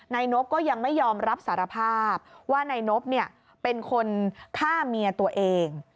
นายนบก็ยังไม่ยอมรับสารภาพว่านายนบเป็นคนฆ่าเมียตัวเอง